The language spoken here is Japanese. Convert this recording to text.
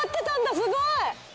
すごい！